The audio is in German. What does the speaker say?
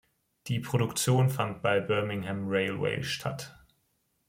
Die Produktion fand bei Birmingham Railway statt.